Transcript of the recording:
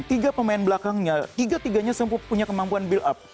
tiga pemain belakangnya tiga tiganya punya kemampuan build up